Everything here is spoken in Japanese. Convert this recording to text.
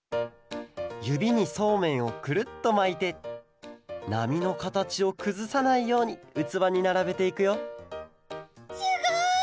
ゆびにそうめんをくるっとまいてなみのかたちをくずさないようにうつわにならべていくよすごい！